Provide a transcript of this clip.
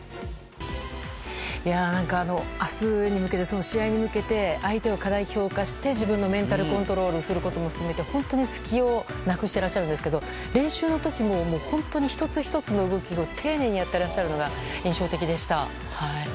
何か、明日の試合に向けて相手を過大評価して自分のメンタルコントロールをすることも含めて本当に隙をなくしていらっしゃるんですが練習の時も本当に１つ１つの動きを丁寧にやっていらっしゃるのが印象的でした。